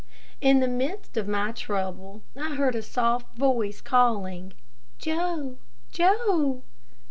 In the midst of my trouble I heard a soft voice calling, "Joe! Joe!"